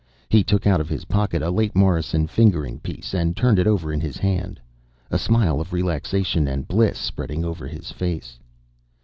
He took out of his pocket a late Morrison fingering piece and turned it over in his hand, a smile of relaxation and bliss spreading over his face.